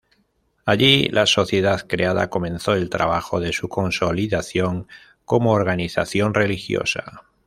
Allí, la sociedad creada comenzó el trabajo de su consolidación como organización religiosa.